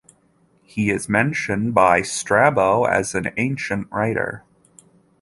He is mentioned by Strabo as an ancient writer.